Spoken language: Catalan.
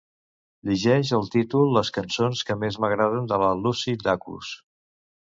Llegeix el títol les cançons que més m'agraden de la Lucy Dacus.